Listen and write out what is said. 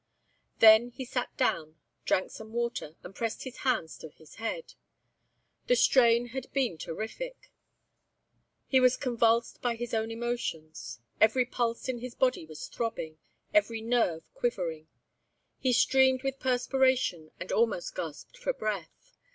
Then he sat down, drank some water, and pressed his hands to his head. The strain had been terrific. He was convulsed by his own emotions; every pulse in his body was throbbing, every nerve quivering; he streamed with perspiration and almost gasped for breath.